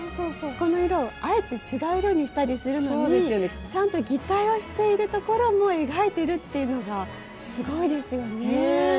ここの色をあえて違う色にしたりするのにちゃんと擬態をしているところも描いてるっていうのがすごいですよね。ねぇ！